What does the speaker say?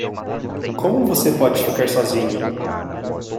Como você pode ficar sozinho?